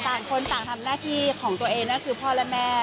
ต่างคนต่างทำหน้าที่ของตัวเองก็คือพ่อและแม่